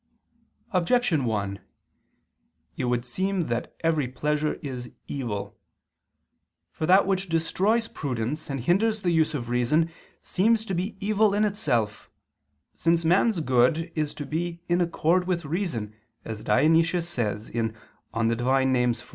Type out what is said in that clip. Objection 1: It would seem that every pleasure is evil. For that which destroys prudence and hinders the use of reason, seems to be evil in itself: since man's good is to be "in accord with reason," as Dionysius says (Div. Nom. iv).